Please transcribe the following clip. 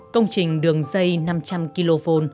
công trình đường dây năm trăm linh kv